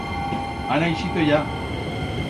Ha naixito ya.